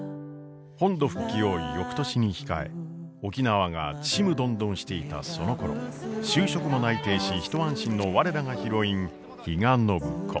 本土復帰を翌年に控え沖縄がちむどんどんしていたそのころ就職も内定し一安心の我らがヒロイン比嘉暢子。